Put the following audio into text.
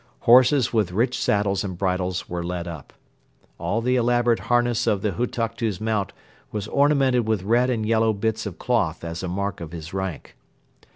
Horses with rich saddles and bridles were led up. All the elaborate harness of the Hutuktu's mount was ornamented with red and yellow bits of cloth as a mark of his rank.